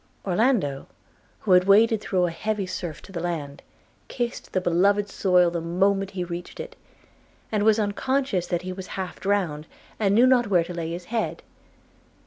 Orlando, who had waded through a heavy surf to the land, kissed the beloved soil the moment he reached it; and was unconscious that he was half drowned, and knew not where to lay his head.